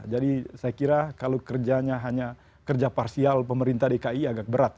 jadi saya kira kalau kerjanya hanya kerja parsial pemerintah dki agak berat